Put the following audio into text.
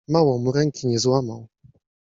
Mało mu ręki nie złamał.